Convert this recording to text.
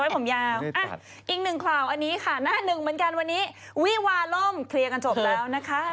ก็เป็นให้พี่หนุ่มนำว่าผมยาว